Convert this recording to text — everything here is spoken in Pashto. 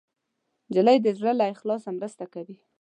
نجلۍ د زړه له اخلاصه مرسته کوي.